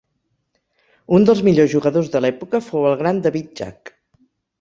Un dels millors jugadors de l'època fou el gran David Jack.